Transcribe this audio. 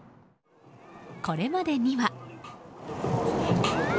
これまでには。